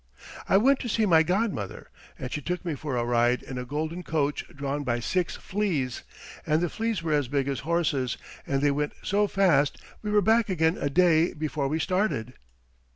"I went to see my god mother, and she took me for a ride in a golden coach drawn by six fleas, and the fleas were as big as horses, and they went so fast we were back again a day before we started."